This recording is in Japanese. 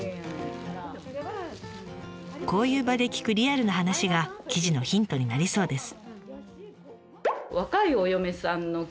こういう場で聞くリアルな話が記事のヒントになりそうです。